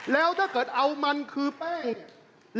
แล้วถ้าเกิดเอามันคือแป้ง